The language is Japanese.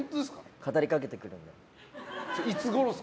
語りかけてくるので。